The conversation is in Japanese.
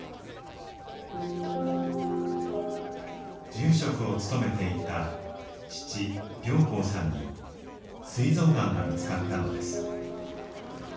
住職を務めていた父良廣さんにすい臓がんが見つかったのです。